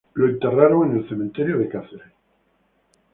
Está enterrado en el cementerio de Cáceres.